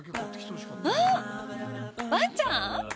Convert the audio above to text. あっ、ワンちゃん？